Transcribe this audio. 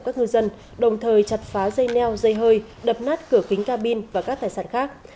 các ngư dân đồng thời chặt phá dây neo dây hơi đập nát cửa kính cabin và các tài sản khác